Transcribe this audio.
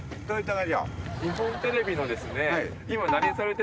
日本テレビのですね。